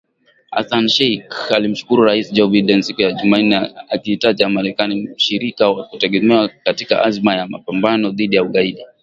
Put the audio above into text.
Hassan Sheikh alimshukuru Rais Joe Biden siku ya Jumanne, akiitaja Marekani “mshirika wa kutegemewa katika azma ya mapambano dhidi ya ugaidi”